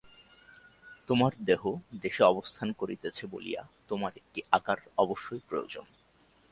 তোমার দেহ দেশে অবস্থান করিতেছে বলিয়া তোমার একটি আকার অবশ্যই প্রয়োজন।